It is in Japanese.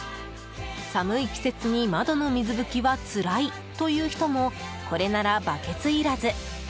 寒い季節に窓の水拭きはつらいという人もこれならバケツいらず。